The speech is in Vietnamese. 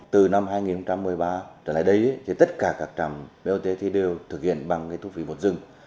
từ năm hai nghìn một mươi ba trở lại đây thì tất cả các trạm bot thì đều thực hiện bằng thu phí bột rừng